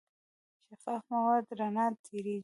شفاف مواد رڼا تېرېږي.